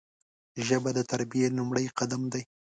ژبه د تربیې لومړی قدم دی